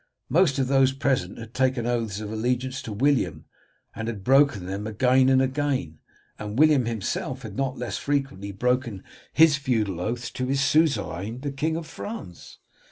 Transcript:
Most of those present had taken oaths of allegiance to William and had broken them again and again, and William himself had not less frequently broken his feudal oaths to his suzerain, the King of France.